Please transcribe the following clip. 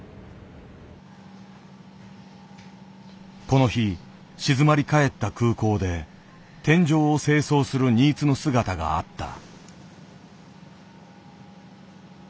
この日静まり返った空港で天井を清掃する新津の姿があった。